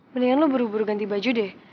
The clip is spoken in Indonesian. mendingan lo buru buru ganti baju deh